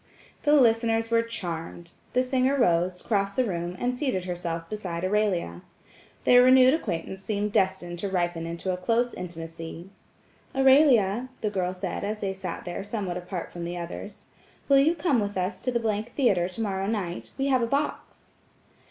The listeners were charmed. The singer rose, crossed the room and seated herself beside Aurelia. Their renewed acquaintance seemed destined to ripen into a close intimacy. "Aurelia," the girl said as they sat there somewhat apart from the others, "Will you come with us to the — Theatre tomorrow night–we have a box?"